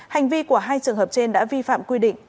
hành vi của hai trường hợp trên đã vi phạm quy định